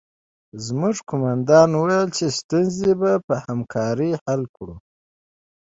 زموږ قومندان وویل چې ستونزې به په همکارۍ حل کوو